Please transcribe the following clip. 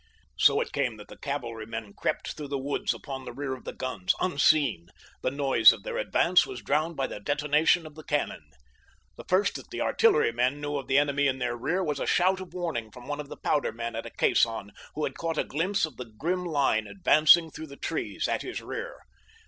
So it came that the cavalrymen crept through the woods upon the rear of the guns, unseen; the noise of their advance was drowned by the detonation of the cannon. The first that the artillerymen knew of the enemy in their rear was a shout of warning from one of the powder men at a caisson, who had caught a glimpse of the grim line advancing through the trees at his rear.